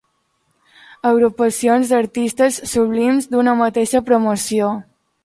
Agrupacions d'artistes sublims d'una mateixa promoció.